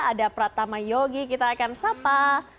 ada pratama yogi kita akan sapa